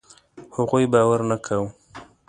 هغوی باور نه کاوه.